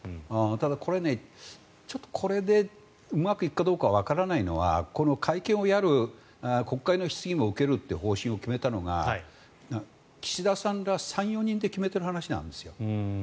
ただ、これでうまくいくかどうかわからないのはこの会見をやる国会の質疑も受けるという方針を決めたのが岸田さんら３４人で決めている話なんですよ。